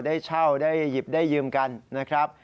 ได้เช่าได้หยิบได้ยืมกันนะครับ